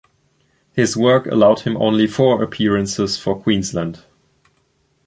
His work allowed him only four appearances for Queensland.